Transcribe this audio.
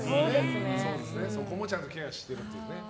そこもちゃんとケアしてるというね。